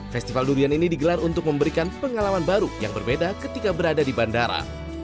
festival durian ini digelar untuk memberikan pengalaman baru yang berbeda ketika berada di bandara